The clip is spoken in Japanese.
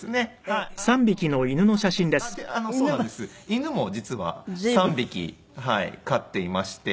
犬も実は３匹飼っていまして。